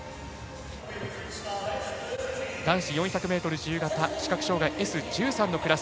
男子４００ｍ自由形視覚障がいＳ１３のクラス。